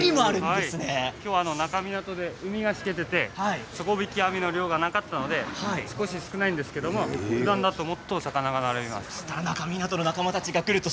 今日は那珂湊で海がしけていて底引き網の漁はなかったので少し少ないんですけどふだんだともっと魚が並びます。